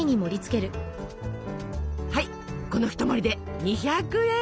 はいこの一盛りで２００円。